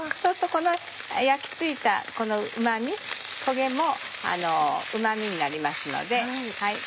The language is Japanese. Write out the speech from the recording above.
この焼き付いたこのうま味焦げもうま味になりますので。